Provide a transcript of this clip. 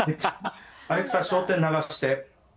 アレクサ、笑点流して。